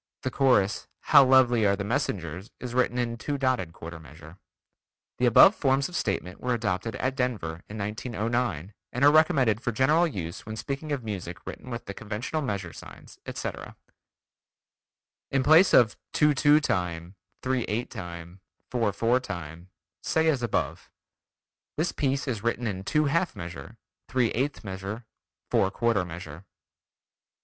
The chorus: "How lovely are the Messengers" is written in two dotted quarter measure. The above forms of statement were adopted at Denver in 1909, and are recommended for general use when speaking of music written with the conventional measure signs, etc. In place of: "two two time, three eight time, four four time," say as above: "This piece is written in two half measure, three eighth measure, four quarter measure."